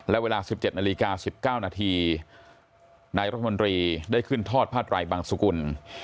และเวลา๑๗นาฬิกา๑๙นาทีนายรัฐมนตรีได้ขึ้นทอดผ้าไตรบังสุกุล